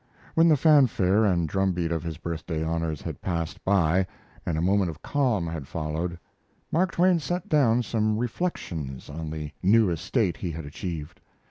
When the fanfare and drum beat of his birthday honors had passed by, and a moment of calm had followed, Mark Twain set down some reflections on the new estate he had achieved.